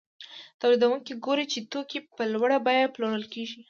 تولیدونکي ګوري چې توکي په لوړه بیه پلورل کېږي